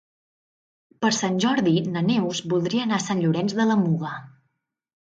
Per Sant Jordi na Neus voldria anar a Sant Llorenç de la Muga.